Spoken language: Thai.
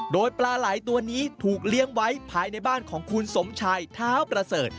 โดยปลาไหล่ตัวนี้ถูกเลี้ยงไว้ภายในบ้านของคุณสมชัยเท้าประเสริฐ